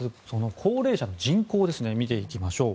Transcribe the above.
高齢者の人口を見ていきましょう。